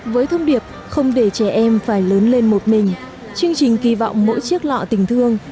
với thông điệp không để trẻ em phải lớn lên một mình chương trình kỳ vọng mỗi chiếc lọ tình thương